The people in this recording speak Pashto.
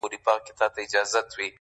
په نارو یو له دنیا له ګاونډیانو-